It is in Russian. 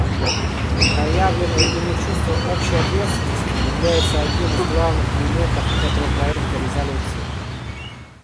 Проявленное ими чувство общей ответственности является одним из главных элементов этого проекта резолюции.